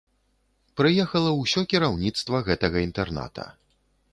Прыехала ўсё кіраўніцтва гэтага інтэрната.